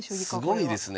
すごいですね。